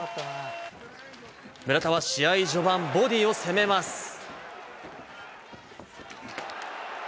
村田は試合序盤、ボディを攻めます。